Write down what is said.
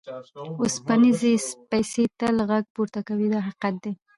اوسپنیزې پیسې تل غږ پورته کوي دا حقیقت دی.